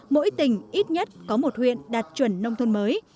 mỗi tỉnh ít nhất có một huyện đạt chuẩn nông thôn mới